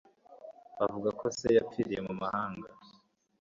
Bavuga ko se yapfiriye mu mahanga